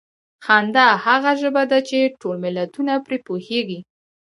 خندا هغه ژبه ده چې ټول ملتونه پرې پوهېږي.